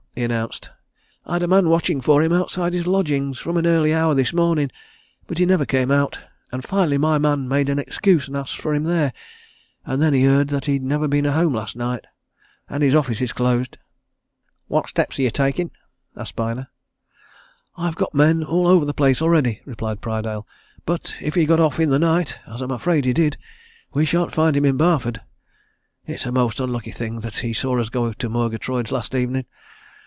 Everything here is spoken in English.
he announced. "I'd a man watching for him outside his lodgings from an early hour this morning, but he never came out, and finally my man made an excuse and asked for him there, and then he heard that he'd never been home last night. And his office is closed." "What steps are you taking?" asked Byner. "I've got men all over the place already," replied Prydale. "But if he got off in the night, as I'm afraid he did, we shan't find him in Barford. It's a most unlucky thing that he saw us go to Murgatroyd's last evening!